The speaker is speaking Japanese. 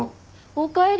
おかえり。